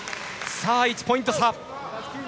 さあ、１ポイント差。